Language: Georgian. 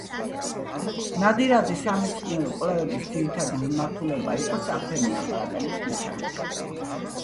ნადირაძის სამეცნიერო კვლევების ძირითადი მიმართულება იყო საფრენი აპარატების მექანიკა.